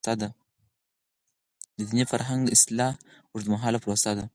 د دیني فرهنګ اصلاح اوږدمهاله پروسه ده.